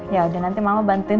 ya udah nanti mama bantuin